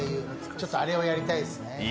ちょっとあれをやりたいですね。